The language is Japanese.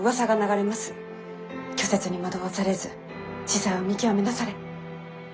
虚説に惑わされず子細を見極めなされ。